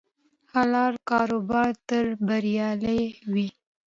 حلال کاروبار تل بریالی وي.